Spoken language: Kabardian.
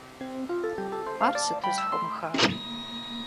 Ар сыту зэхомыхарэ?